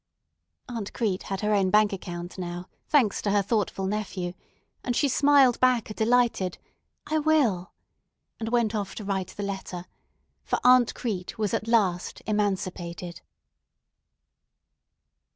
Aunt Crete had her own bank account now, thanks to her thoughtful nephew, and she smiled back a delighted, "I will," and went off to write the letter; for Aunt Crete was at last emancipated.